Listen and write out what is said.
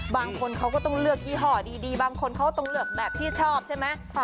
บางคนเขาก็ต้องเลือกยี่ห้อดีบางคนเขาต้องเลือกแบบที่ชอบใช่ไหม